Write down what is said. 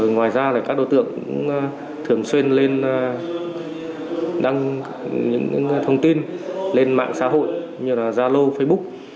ngoài ra các đối tượng cũng thường xuyên lên đăng những thông tin lên mạng xã hội như là zalo facebook